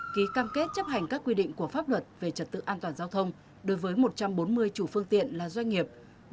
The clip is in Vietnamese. ký cam kết chấp hành các quy định của pháp luật về trật tự an toàn giao thông đối với một trăm bốn mươi chủ phương tiện là doanh nghiệp